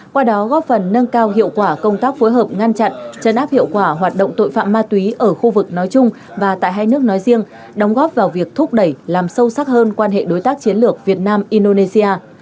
qua đó góp phần nâng cao hiệu quả công tác phối hợp ngăn chặn chấn áp hiệu quả hoạt động tội phạm ma túy ở khu vực nói chung và tại hai nước nói riêng đóng góp vào việc thúc đẩy làm sâu sắc hơn quan hệ đối tác chiến lược việt nam indonesia